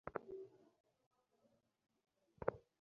না, আমি এটা করতে চাই না।